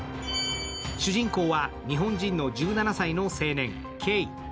主人公は日本人の１７歳の青年、慧。